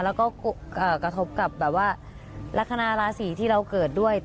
แล้วก็กระทบกับแบบว่าลักษณะราศีที่เราเกิดด้วย